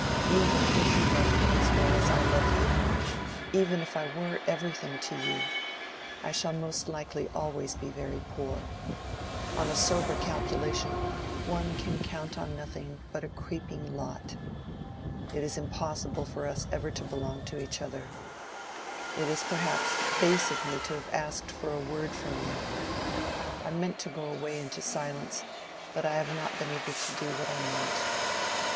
"Even if you loved me as well as I love you—even if I were everything to you—I shall most likely always be very poor: on a sober calculation, one can count on nothing but a creeping lot. It is impossible for us ever to belong to each other. It is perhaps base of me to have asked for a word from you. I meant to go away into silence, but I have not been able to do what I meant."